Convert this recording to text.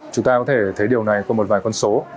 chúng ta có thể thấy điều này qua một vài con số